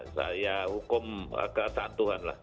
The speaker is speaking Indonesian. saya hukum kesatuan